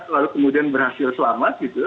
lalu kemudian berhasil selamat gitu